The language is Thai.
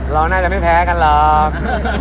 เราน่าจะไม่แพ้กันหรอก